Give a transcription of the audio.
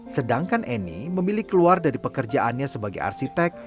sedangkan eni memilih keluar dari pekerjaannya sebagai arsitek